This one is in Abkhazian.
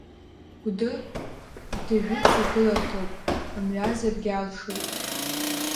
Гәды, гды жәытәла гыларҭоуп, мҩазаргьы алшоит…